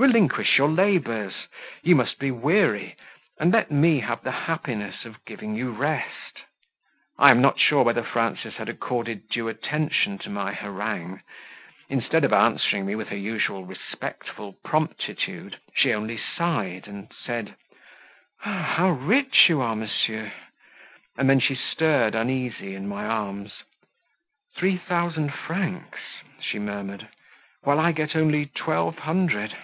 Relinquish your labours: you must be weary, and let me have the happiness of giving you rest." I am not sure whether Frances had accorded due attention to my harangue; instead of answering me with her usual respectful promptitude, she only sighed and said, "How rich you are, monsieur!" and then she stirred uneasy in my arms. "Three thousand francs!" she murmured, "While I get only twelve hundred!"